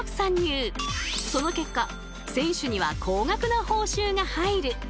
その結果選手には高額な報酬が入る。